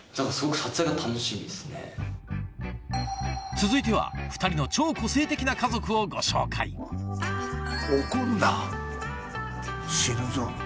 続いては２人の超個性的な家族をご紹介怒るな死ぬぞ。